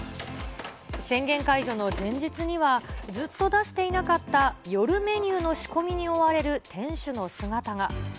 宣言解除の前日には、ずっと出していなかった夜メニューの仕込みに追われる店主の姿が。